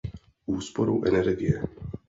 Úsporou energie.